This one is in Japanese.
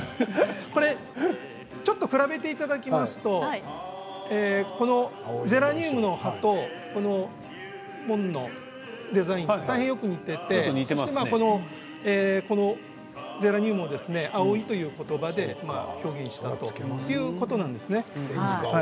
ちょっと比べていただきますとゼラニウムの葉っぱとこの紋のデザインが大変よく似ていましてゼラニウムを葵ということばで表現したということなんですね。